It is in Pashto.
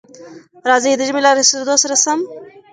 راځئ، د ژمي له را رسېدو سره سم،